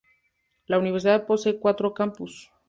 La Universidad posee cuatro campus.